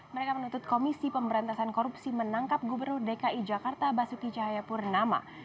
mereka menuntut komisi pemberantasan korupsi menangkap gubernur dki jakarta basuki cahayapurnama